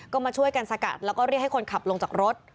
ก็มาช่วยกันสกัดแล้วก็เรียกให้คนขับลงจากรถ